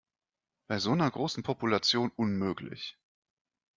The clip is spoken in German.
Bei so einer großen Population unmöglich.